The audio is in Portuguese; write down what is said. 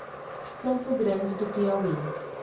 Campo Grande do Piauí